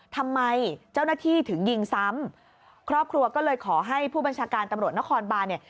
ทำไมเจ้าหน้าที่ถึงยิงซ้ำครอบครัวก็เลยขอให้ผู้บัญชาการตำรวจนครบานเนี่ย